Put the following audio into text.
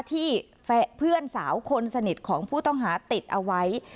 ที่แฟนสาวคนสนิทของผู้ต้องหาติดเอาไว้